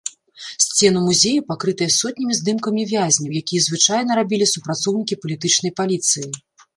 Сцены музею пакрытыя сотнямі здымкамі вязняў, якія звычайна рабілі супрацоўнікі палітычнай паліцыі.